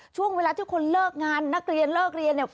ช่วงเวลาที่คนเลิกงานนักเรียนเลิกเรียนเนี่ย